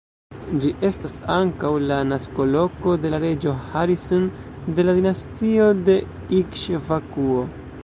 Ĝi estas ankaŭ la naskoloko de la reĝo Harisen de la dinastio de Ikŝvakuo.